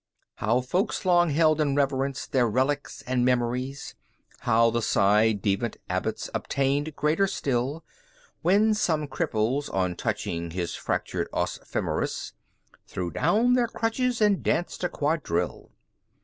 How folks long held in reverence their reliques and memories, How the ci devant Abbot's obtained greater still, When some cripples, on touching his fractured os femoris, Threw down their crutches and danced a quadrille!